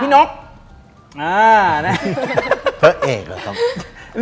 ดิงกระพวน